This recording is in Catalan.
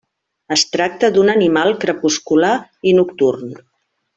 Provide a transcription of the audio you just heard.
Es tracta d'un animal crepuscular i nocturn.